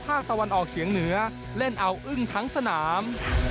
ภาคตะวันออกเฉียงเหนือเล่นเอาอึ้งทั้งสนาม